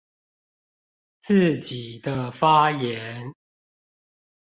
自己的發言